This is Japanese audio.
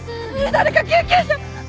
誰か救急車！